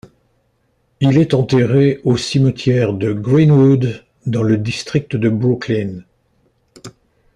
Il est enterré au cimetière de Green-Wood, dans le district de Brooklyn.